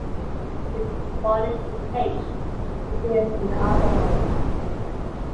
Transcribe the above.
If bonded to H it is an alcohol.